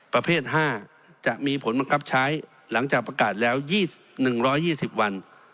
ประเภท๕จะมีผลบังคับใช้หลังจากประกาศแล้ว๑๒๐วัน